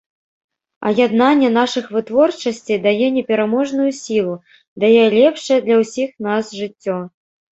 А яднанне нашых вытворчасцей дае непераможную сілу, дае лепшае для ўсіх нас жыццё.